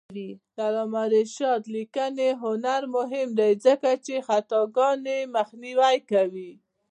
د علامه رشاد لیکنی هنر مهم دی ځکه چې خطاګانې مخنیوی کوي.